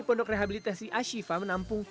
pondok rehabilitasi ashifa menampung